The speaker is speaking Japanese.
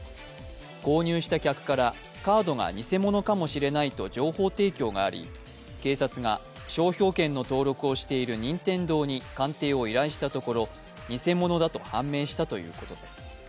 購入した客から、カードが偽物かもしれないと情報提供があり警察が商標権の登録をしている任天堂に鑑定を依頼したところ偽物だと判明したということです。